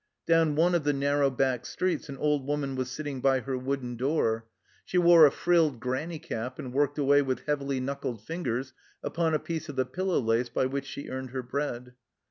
Down one of the narrow back streets an old woman was sitting by her wooden 16 THE CELLAR HOUSE OF PERVYSE door ; she wore a frilled granny cap and worked away with heavily knuckled fingers upon a piece of the pillow lace by which she earned her bread.